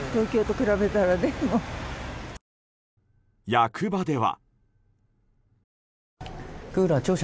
役場では。